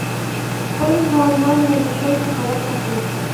خپل ځوانان له نشو څخه وساتئ.